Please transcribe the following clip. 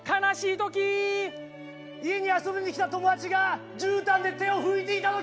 家に遊びに来た友達がじゅうたんで手を拭いていた時。